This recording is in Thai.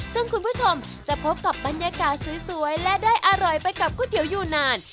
ซึ่งคุณผู้ชมจะพบกับบรรยากาศสวยและได้อร่อยไปกับก๋วยเตี๋ยวอยู่นาน